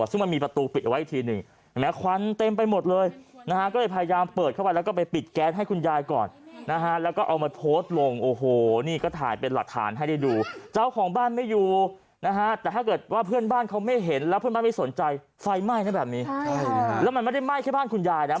สปีริตมากเลยอันนี้คืออันตรายถึงชีวิตนะ